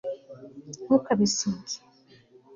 ntukabisige